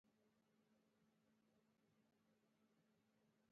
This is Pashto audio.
وردګ قوم په میلمه پالنه کې ډیر زیات مشهور دي.